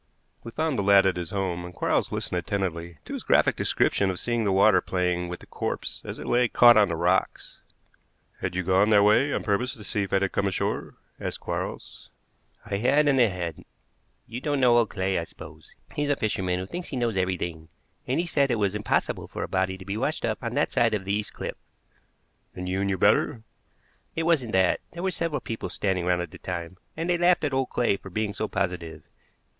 We found the lad at his home, and Quarles listened attentively to his graphic description of seeing the water playing with the corpse as it lay caught on the rocks. "Had you gone that way on purpose to see if it had come ashore?" asked Quarles. "I had and I hadn't. You don't know old Clay, I suppose. He's a fisherman who thinks he knows everything, and he said it was impossible for a body to be washed up on that side of the east cliff." "And you knew better?" "It wasn't that. There were several people standing round at the time, and they laughed at old Clay for being so positive.